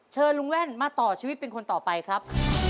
เชิญลุงแว่นมาต่อชีวิตเป็นคนต่อไปครับ